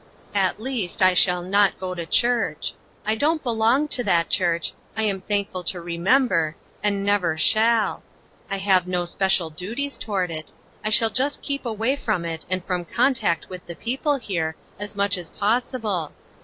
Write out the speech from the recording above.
"At least, I shall not go to church. I don't belong to that church, I am thankful to remember, and never shall ; I have no special duties toward it; I shall just keep away from it and from contact with the people here, as much as possible.